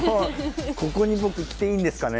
ここに僕来ていいんですかね。